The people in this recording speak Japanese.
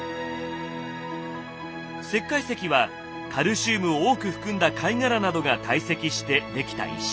石灰石はカルシウムを多く含んだ貝殻などが堆積して出来た石。